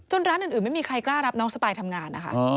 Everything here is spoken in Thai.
ร้านอื่นไม่มีใครกล้ารับน้องสปายทำงานนะคะ